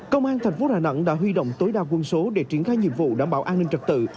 công an thành phố đà nẵng đã huy động tối đa quân số để triển khai nhiệm vụ đảm bảo an ninh trật tự